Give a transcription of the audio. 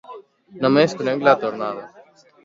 Només conec la tornada.